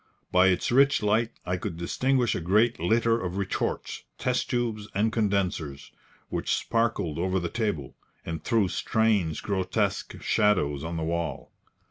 By its rich light I could distinguish a great litter of retorts, test tubes and condensers, which sparkled over the table, and threw strange, grotesque shadows on the wall.